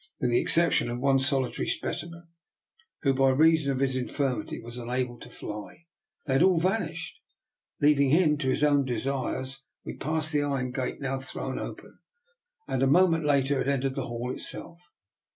With the exception of one solitary specimen, who by reason of his infirmity was unable to fly, they had all vanished. Leaving him to his own desires, we passed the iron gate, now thrown open, and a moment later had entered the hall itself.